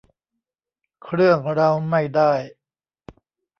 เครื่องเราไม่ได้